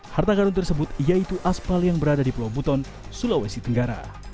harta karun tersebut yaitu aspal yang berada di pulau buton sulawesi tenggara